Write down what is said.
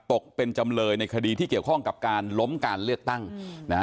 ตกเป็นจำเลยในคดีที่เกี่ยวข้องกับการล้มการเลือกตั้งนะฮะ